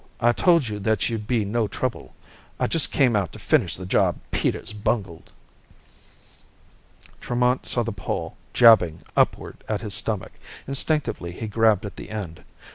I told you that you'd be no trouble. I just came out to finish the job Peters bungled." Tremont saw the pole jabbing upward at his stomach. Instinctively, he grabbed at the end.